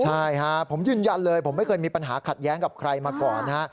ใช่ฮะผมยืนยันเลยผมไม่เคยมีปัญหาขัดแย้งกับใครมาก่อนนะฮะ